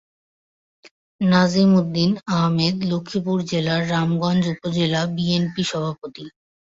নাজিম উদ্দিন আহমেদ লক্ষ্মীপুর জেলার রামগঞ্জ উপজেলা বিএনপি সভাপতি।